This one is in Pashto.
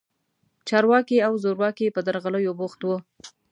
چارواکي او زورواکي په درغلیو بوخت وو.